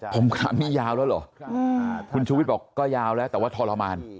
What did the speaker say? ผมคำนี้ยาวแล้วเหรอคุณชูวิทย์บอกก็ยาวแล้วแต่ว่าทรมาน